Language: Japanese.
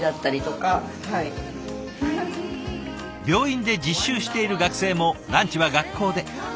病院で実習している学生もランチは学校で。